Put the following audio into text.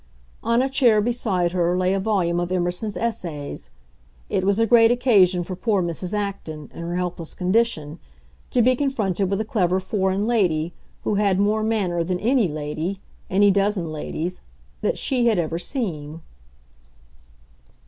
On a chair, beside her, lay a volume of Emerson's Essays. It was a great occasion for poor Mrs. Acton, in her helpless condition, to be confronted with a clever foreign lady, who had more manner than any lady—any dozen ladies—that she had ever seen.